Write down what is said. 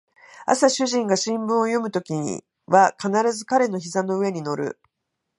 朝主人が新聞を読むときは必ず彼の膝の上に乗る